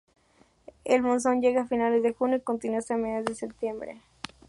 El monzón llega a finales de junio y continúa hasta mediados de septiembre.